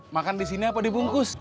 makan di sini apa dibungkus